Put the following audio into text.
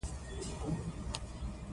افغانستان په واوره غني دی.